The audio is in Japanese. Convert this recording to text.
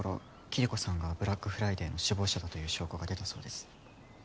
キリコさんがブラックフライデーの首謀者だという証拠が出たそうです